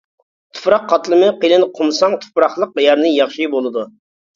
تۇپراق قاتلىمى قېلىن قۇمساڭ تۇپراقلىق يەرنى ياخشى بولىدۇ.